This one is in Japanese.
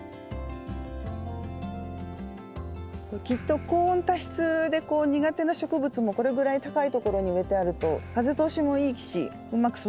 きっと高温多湿で苦手な植物もこれぐらい高い所に植えてあると風通しもいいしうまく育つでしょうね。